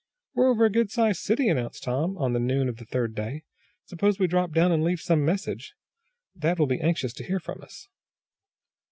"We're over a good sized city," announced Tom, on the noon of the third day. "Suppose we drop down, and leave some message? Dad will be anxious to hear from us."